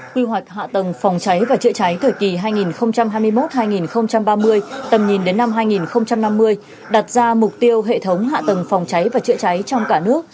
quy hoạch hạ tầng phòng cháy và chữa cháy thời kỳ hai nghìn hai mươi một hai nghìn ba mươi tầm nhìn đến năm hai nghìn năm mươi đặt ra mục tiêu hệ thống hạ tầng phòng cháy và chữa cháy trong cả nước